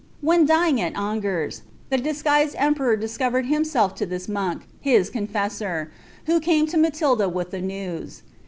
When dyin^ at Angers, the disguised emperor dis covered hiniself to this monk, his confessor, who came to Matilda with the news.